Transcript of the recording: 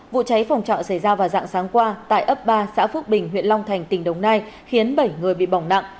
vụ cháy phòng trọ xảy ra vào dạng sáng qua tại ấp ba xã phước bình huyện long thành tỉnh đồng nai khiến bảy người bị bỏng nặng